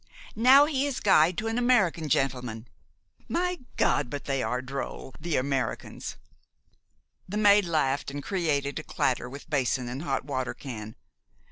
Now he is guide to an American gentleman. My God! but they are droll, the Americans!" The maid laughed, and created a clatter with basin and hot water can.